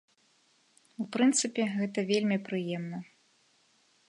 У прынцыпе, гэта вельмі прыемна.